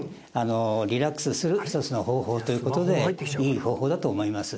リラックスする一つの方法ということでいい方法だと思います